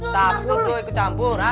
sambut lo ikut sambut